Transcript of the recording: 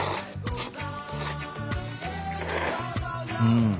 うん。